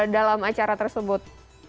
dalam acara tersebut